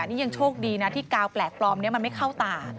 นี่ยังโชคดีนะที่กาวแปลกปลอมนี้มันไม่เข้าตา